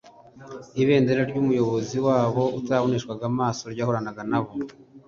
ibendera ry’umuyobozi wabo utaraboneshwaga amaso ryahoranaga nabo.